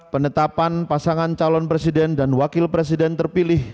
penetapan pasangan calon presiden dan wakil presiden terpilih